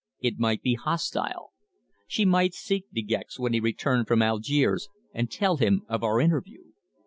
It might be hostile. She might seek De Gex when he returned from Algiers and tell him of our interview!